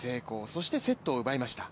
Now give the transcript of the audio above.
そしてセットを奪いました。